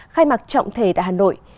khai mạc trọng thể tại hà nội